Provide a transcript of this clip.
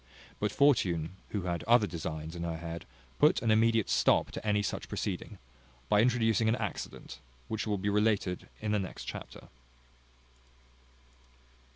But Fortune, who had other designs in her head, put an immediate stop to any such proceeding, by introducing an accident, which will be related in the next chapter.